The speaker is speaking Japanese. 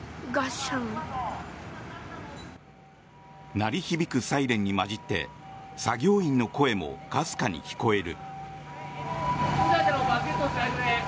鳴り響くサイレンに交じって作業員の声もかすかに聞こえる。